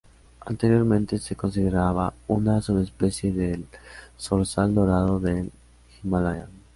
Anteriormente se consideraba una subespecie del zorzal dorado del Himalaya.